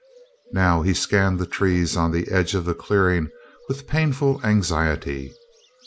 Now he scanned the trees on the edge of the clearing with painful anxiety.